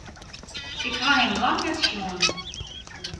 Ik haw him yn lang net sjoen.